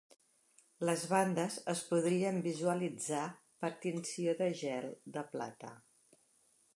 Les bandes es podrien visualitzar per tinció de gel de plata.